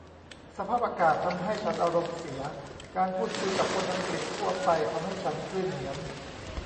สภาพอากาศทำให้ฉันอารมณ์เสีย การพูดคุยกับคนอังกฤษทั่วไปทำให้ฉันคลื่นเหียน